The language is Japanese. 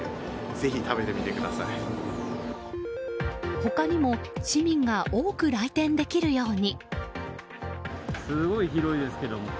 他にも市民が多く来店できるように。